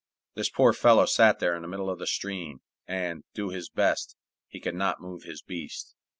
This poor fellow sat there in the middle of the stream, and, do his best, he could not move his beast.